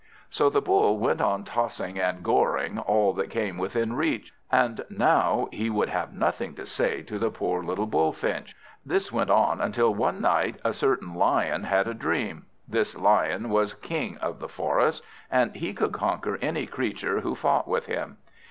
So the Bull went on tossing and goring all that came within reach; and now he would have nothing to say to the poor little Bullfinch. This went on, until one night a certain Lion had a dream. This Lion was King of the Forest, and he could conquer any creature who fought with him.